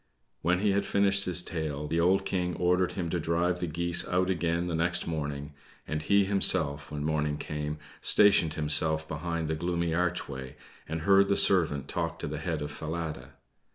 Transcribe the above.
When he had finished his tale, the old King ordered him to drive the geese out again the next morning; and he himself, when morning came, stationed himself behind the gloomy archway, and heard the servant talk to the head of Falada.